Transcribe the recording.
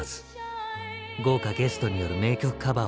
豪華ゲストによる名曲カバーをお届け。